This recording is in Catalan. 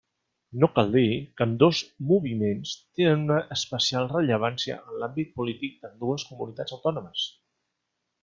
No cal dir que ambdós moviments tenen una especial rellevància en l'àmbit polític d'ambdues comunitats autònomes.